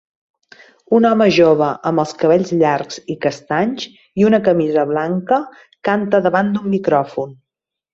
Un home jove amb els cabells llargs i castanys i una camisa blanca canta davant d'un micròfon